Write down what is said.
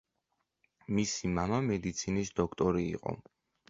მისი მამა მედიცინის დოქტორი იყო.